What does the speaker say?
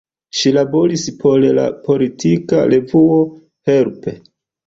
Ŝi laboris por la politika revuo "Help!